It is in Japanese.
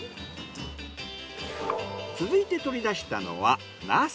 続いて取り出したのはナス。